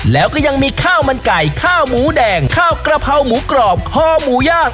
แล้วก็ยังมีข้าวมันไก่ข้าวหมูแดงข้าวกระเพราหมูกรอบคอหมูย่าง